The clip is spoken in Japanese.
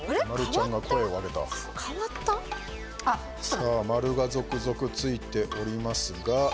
さあ、丸が続々ついておりますが。